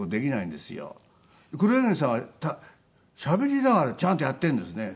黒柳さんはしゃべりながらちゃんとやっているんですね。